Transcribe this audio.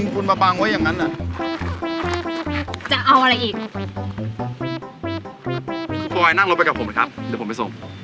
คุณภายนั่งรถไปกับผมเหรอครับเดี๋ยวผมไปส่ง